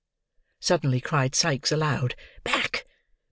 suddenly cried Sikes aloud. "Back!